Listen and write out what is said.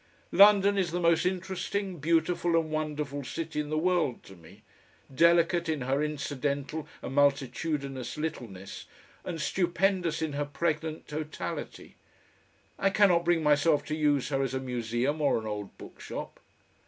London is the most interesting, beautiful, and wonderful city in the world to me, delicate in her incidental and multitudinous littleness, and stupendous in her pregnant totality; I cannot bring myself to use her as a museum or an old bookshop.